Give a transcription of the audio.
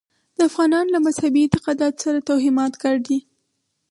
د افغانانو له مذهبي اعتقاداتو سره توهمات ګډ دي.